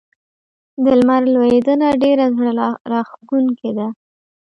د لمر لوېدنه ډېره زړه راښکونکې ده.